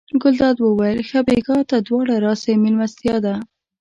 ګلداد وویل ښه بېګا ته دواړه راسئ مېلمستیا ده.